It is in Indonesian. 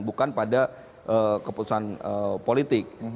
bukan pada keputusan politik